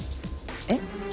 えっ？